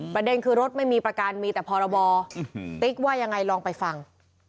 ประเด็นคือรถไม่มีประกันมีแต่พรบติ๊กว่ายังไงลองไปฟัง